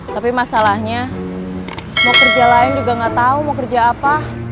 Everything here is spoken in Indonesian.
tapi masalahnya mau kerja lain juga nggak tahu mau kerja apa